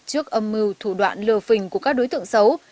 trước âm mưu thủ đoạn lừa phình của các đối tượng xấu